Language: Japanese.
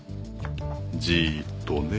じっとね。